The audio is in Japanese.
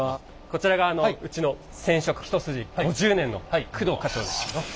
こちらがうちの染色一筋５０年の工藤課長です。